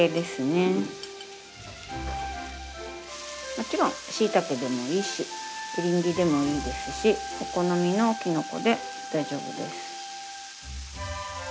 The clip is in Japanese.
もちろんしいたけでもいいしエリンギでもいいですしお好みのきのこで大丈夫です。